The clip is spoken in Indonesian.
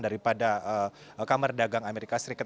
daripada kamar dagang amerika serikat